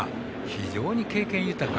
非常に経験豊か。